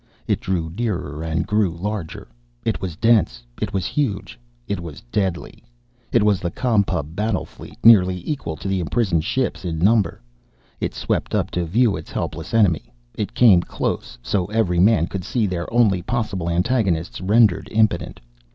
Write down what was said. It drew nearer and grew larger. It was dense. It was huge. It was deadly. It was the Com Pub battle fleet, nearly equal to the imprisoned ships in number. It swept up to view its helpless enemy. It came close, so every man could see their only possible antagonists rendered impotent.